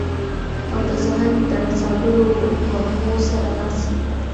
او د ساحل د نڅاګرو وږمو سره ناڅي